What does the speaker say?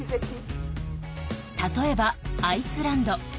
例えばアイスランド。